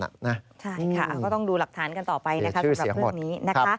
ใช่ค่ะก็ต้องดูหลักฐานกันต่อไปนะคะสำหรับเรื่องนี้นะคะ